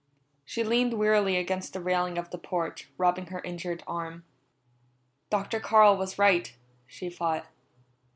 She leaned wearily against the railing of the porch, rubbing her injured arm. "Dr. Carl was right," she thought.